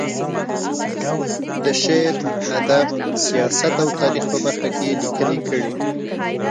د شعر، ادب، سیاست او تاریخ په برخه کې یې لیکنې کړې.